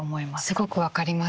すごく分かります。